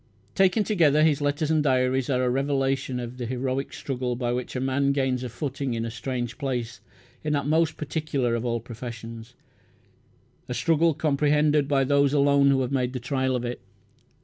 Taken together his letters and diaries are a revelation of the heroic struggle by which a man gains a footing in a strange place in that most particular of all professions, a struggle comprehended by those alone who have made the trial of it.